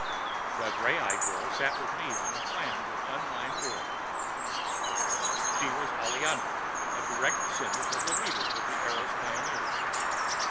The gray eyed girl sat with me on a flange of unmined ore. She was Aliana, a direct descendant of the leader of the Eros pioneers.